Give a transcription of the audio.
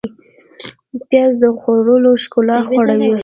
پیاز د خوړو ښکلا جوړوي